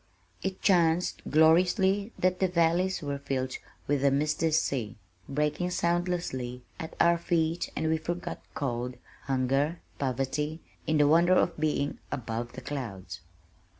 It chanced, gloriously, that the valleys were filled with a misty sea, breaking soundlessly at our feet and we forgot cold, hunger, poverty, in the wonder of being "above the clouds!"